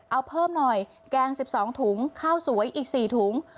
เอาเพิ่มหน่อยแกงสิบสองถุงข้าวสวยอีกสี่ถุง